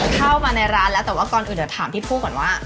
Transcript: เข้ามาในร้านแล้วแต่ว่าก่อนอื่นเดี๋ยวถามพี่ผู้ก่อนว่า